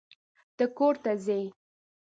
ته کورته ځې؟